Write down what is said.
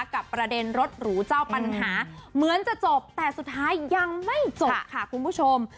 กับประเด็นรถหรูเจ้าปัญหาเหมือนจะจบแต่สุดท้ายยังไม่จบค่ะคุณผู้ชม